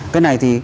cái này thì